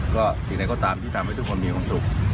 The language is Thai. มันก็ตามที่ให้ทุกคนมีความสุข